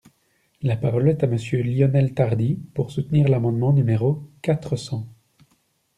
La parole est à Monsieur Lionel Tardy, pour soutenir l’amendement numéro quatre cents.